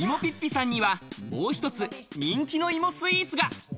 さんには、もう一つ、人気の芋スイーツが。